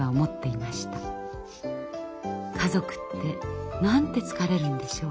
家族ってなんて疲れるんでしょう。